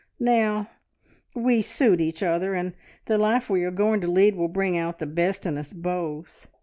Now, we suit each other, and the life we are going to lead will bring out the best in us both!